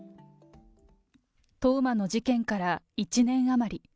冬生の事件から１年余り。